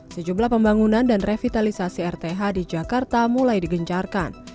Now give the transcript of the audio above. sejumlah pembangunan dan revitalisasi rth di jakarta mulai digencarkan